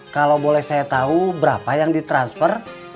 kalau boleh saya tahu berapa yang di transfer